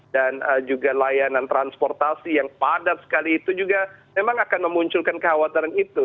dan juga layanan transportasi yang padat sekali itu juga memang akan memunculkan kekhawatiran itu